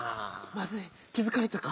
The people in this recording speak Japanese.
まずい気づかれたか？